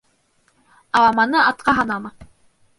Аламаны атҡа һанама.